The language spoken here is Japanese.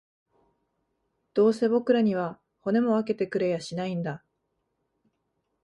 どうせ僕らには、骨も分けてくれやしないんだ